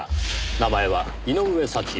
名前は井上祥代。